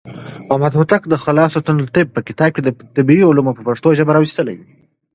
محمد هوتک د خلاصة الطب په کتاب کې طبي علوم په پښتو ژبه راوستلي.